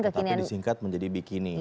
tapi disingkat menjadi bikini